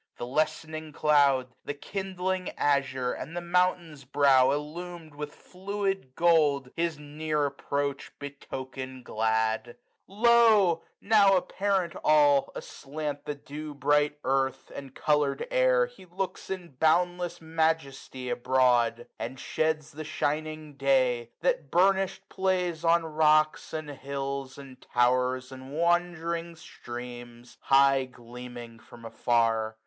The lessening cloud. The kindling azure, and the mountain's brow IllumM with fluid gold, his near approach Betoken glad. Lo ! now^ apparent all, 85 SUMMER. 53 Aslant the dew bright earth, and coloured air. He looks in boundless majesty abroad ; And sheds the shining day, that bumish'd plays On rocks, and hills, and tow'rs, and wand'ring streams. High gleaming from afar.